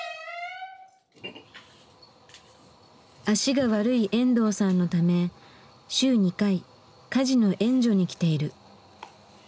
脚が悪い遠藤さんのため週２回家事の援助に来ている。